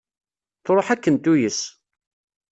Truḥ akken tuyes.